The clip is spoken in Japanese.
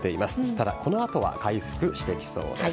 ただ、この後は回復してきそうです。